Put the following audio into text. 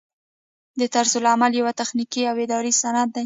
طرزالعمل یو تخنیکي او اداري سند دی.